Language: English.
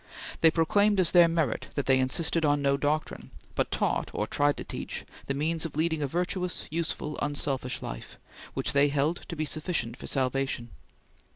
They proclaimed as their merit that they insisted on no doctrine, but taught, or tried to teach, the means of leading a virtuous, useful, unselfish life, which they held to be sufficient for salvation.